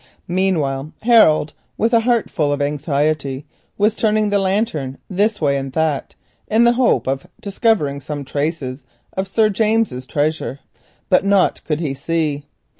Meanwhile Harold, with a heart full of anxiety, was turning the lantern this way and that in the hope of discovering some traces of Sir James's treasure, but naught could he see.